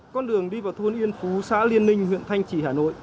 con đường đi vào thôn yên phú xã liên ninh huyện thanh trì hà nội